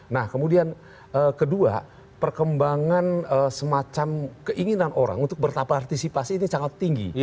nah kemudian kedua perkembangan semacam keinginan orang untuk bertapartisipasi ini sangat tinggi